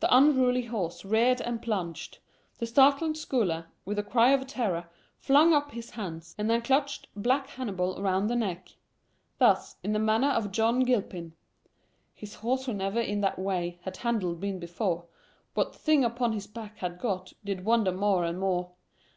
The unruly horse reared and plunged. The startled scholar, with a cry of terror, flung up his hands, and then clutched black Hannibal around the neck. Thus, in the manner of John Gilpin, "His horse, who never in that way Had handled been before, What thing upon his back had got Did wonder more and more.